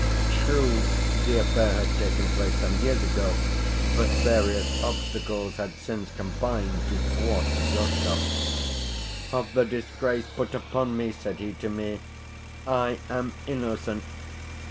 True, the affair had taken place some years ago, but various obstacles had since combined to thwart Gorshkov. "Of the disgrace put upon me," said he to me, "I am innocent.